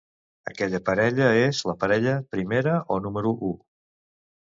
Aquella parella és la parella "primera" o "número u".